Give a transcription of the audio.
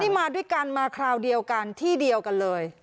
มาด้วยกันมาคราวเดียวกันที่เดียวกันเลย